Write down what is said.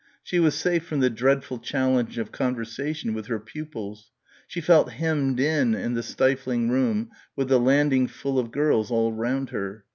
She was safe from the dreadful challenge of conversation with her pupils. She felt hemmed in in the stifling room with the landing full of girls all round her.